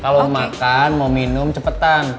kalau makan mau minum cepetan